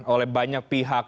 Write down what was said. oleh banyak pihak